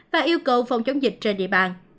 và yêu cầu phòng chống dịch trên địa bàn